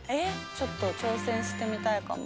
ちょっと挑戦してみたいかも。